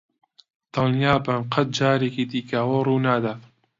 دڵنیابن قەت جارێکی دیکە ئەوە ڕوونادات.